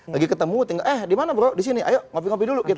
lagi ketemu tinggal eh dimana bro disini ayo ngopi ngopi dulu